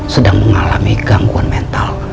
sedang mengalami gangguan mental